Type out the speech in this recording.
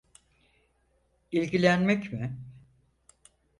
İlgilenmek mi?